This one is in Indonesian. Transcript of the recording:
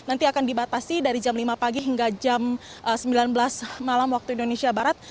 nanti akan dibatasi dari jam lima pagi hingga jam sembilan belas malam waktu indonesia barat